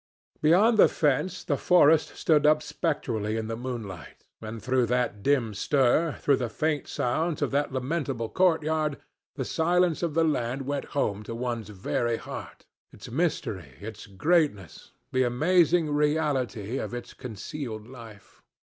Beyond the fence the forest stood up spectrally in the moonlight, and through the dim stir, through the faint sounds of that lamentable courtyard, the silence of the land went home to one's very heart, its mystery, its greatness, the amazing reality of its concealed life.